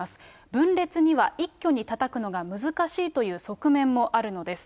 分裂には一挙にたたくのが難しいという側面もあるのです。